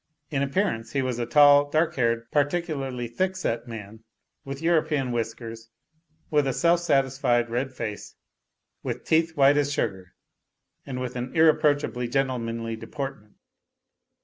In appearance he was a tall, dark haired, particularly thick set man, wit a European whiskers, with a self satisfied, red face, with teeth white as sugar, and with an irreproachably gentlemanly de portment.